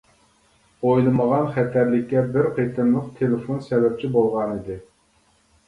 ئويلىمىغان خەتەرلىككە بىر قېتىملىق تېلېفون سەۋەبچى بولغانىدى.